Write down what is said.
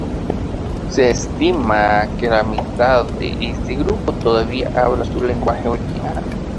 Se estima que la mitad de este grupo todavía habla su lenguaje original.